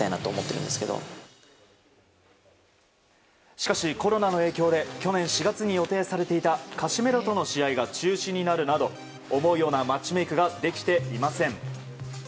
しかし、コロナの影響で去年４月に予定されていたカシメロとの試合が中止になるなど思うようなマッチメイクができていません。